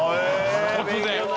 突然。